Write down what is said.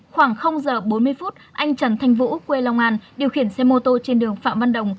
khoảng giờ bốn mươi phút anh trần thanh vũ quê long an điều khiển xe mô tô trên đường phạm văn đồng